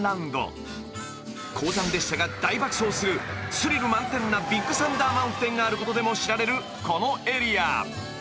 ［鉱山列車が大爆走するスリル満点なビッグサンダー・マウンテンがあることでも知られるこのエリア］